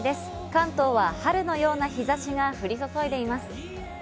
関東は春のような日差しが降り注いでいます。